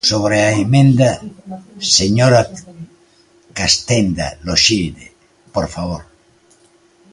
Sobre a emenda, señora Castenda Loxilde, por favor.